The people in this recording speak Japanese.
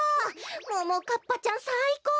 ももかっぱちゃんさいこう！